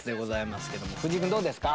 藤井君どうですか？